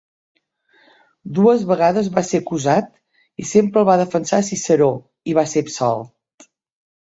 Dues vegades va ser acusat i sempre el va defensar Ciceró i va ser absolt.